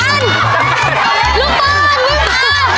พี่ปิ๊กกี้ก็ไอหลัง